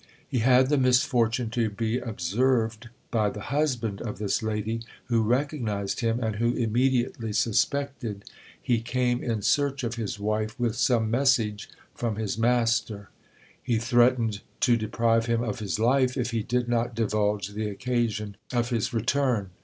He had the misfortune to be observed by the husband of this lady, who recognised him, and who immediately suspected he came in search of his wife with some message from his master. He threatened to deprive him of his life if he did not divulge the occasion of his return.